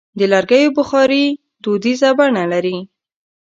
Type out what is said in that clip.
د لرګیو بخاري دودیزه بڼه لري.